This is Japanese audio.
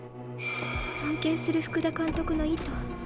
尊敬する福田監督の意図